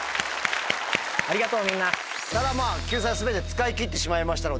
ただ救済全て使い切ってしまいましたので。